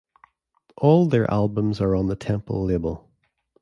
All their albums are on the Temple label.